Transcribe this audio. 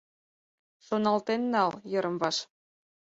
Шоналтен нал йырым-ваш